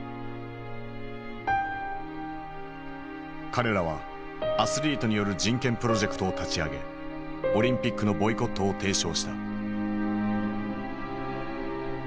彼らはアスリートによる人権プロジェクトを立ち上げオリンピックのボイコットを提唱した。